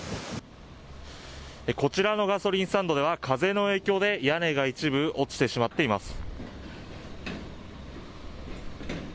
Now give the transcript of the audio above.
こちらのガソリンスタンドでは、風の影響で屋根が一部、落ちてしまっています。